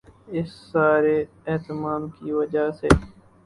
اس سارے اہتمام کی وجہ سے